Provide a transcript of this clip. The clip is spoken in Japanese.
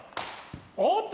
おっと！